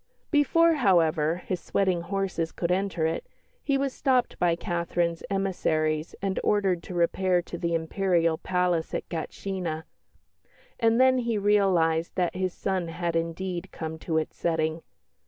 Before, however, his sweating horses could enter it, he was stopped by Catherine's emissaries and ordered to repair to the Imperial Palace at Gatshina. And then he realised that his sun had indeed come to its setting.